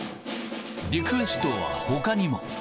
リクエストはほかにも。